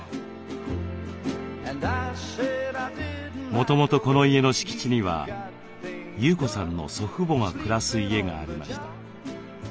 もともとこの家の敷地には優子さんの祖父母が暮らす家がありました。